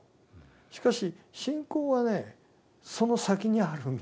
しかし信仰はねその先にあるんです。